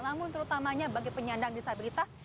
namun terutamanya bagi penyandang disabilitas